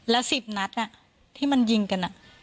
แล้ว๑๐นัดที่มันยิงกัน